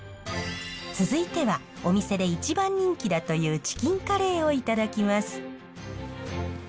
続いてはお店で一番人気だというチキンカレーをいただきます。